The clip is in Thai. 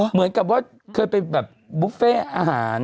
เหมือนกับว่าเคยไปแบบบุฟเฟ่อาหาร